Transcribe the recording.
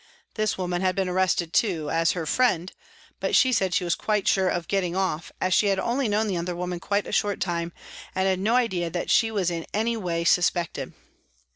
This woman had been arrested, too, as " her friend," but she said she was quite sure of getting off, as she had only known the other woman quite a short time, and had no idea that she was in any way " sus pected."